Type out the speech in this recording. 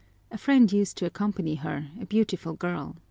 A friend used to accompany her, a beautiful girl.